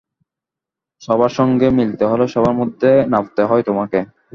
সবার সঙ্গে মিলতে হলে সবার মধ্যে নাবতে হয় তোমাকে।